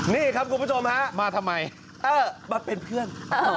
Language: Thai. นี่ครับคุณผู้ชมฮะมาทำไมเออมาเป็นเพื่อน